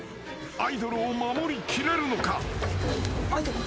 アイドルを守りきれるのか？］